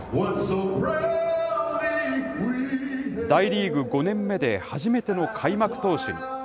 大リーグ５年目で初めての開幕投手に。